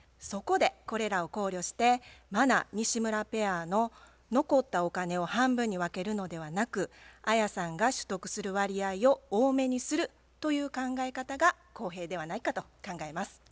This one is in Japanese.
そこでこれらを考慮して茉奈・西村ペアの残ったお金を半分に分けるのではなくアヤさんが取得する割合を多めにするという考え方が公平ではないかと考えます。